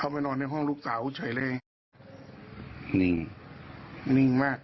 ตี้หน่อยอยู่ใหน